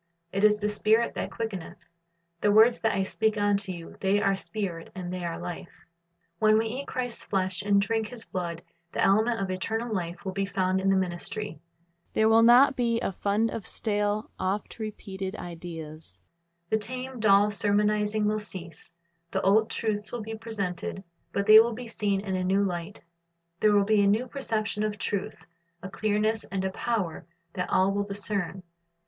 ... It is the Spirit that quickeneth; ... the words that I speak unto you, they are Spirit, and they are life. "^ When we eat Christ's flesh and drink His blood, the element of eternal life will be found in the ministry. There will not be a fund of stale, oft repeated ideas. The tame, dull sermonizing will cease. The old truths will be presented, but they will be seen in a new light. There will be a new perception of truth, a clearness and a power that ijohn 6:54 63 ''Things Nezu and Old'' 131 all will discern.